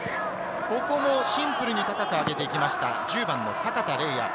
シンプルに高く上げていきました、１０番の阪田澪哉。